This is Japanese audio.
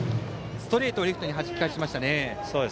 ストレートをレフトにはじき返しましたね。